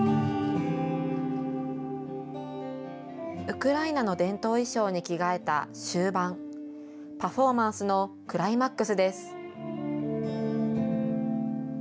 ウクライナの伝統衣装に着替えた終盤、パフォーマンスのクライマックスです。